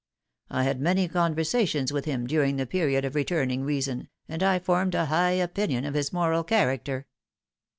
I had many conversations with him during the period of returning reason, and I formed a high opinion of his moral character."